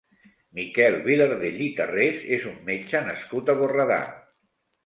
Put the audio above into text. Miquel Vilardell i Tarrés és un metge nascut a Borredà.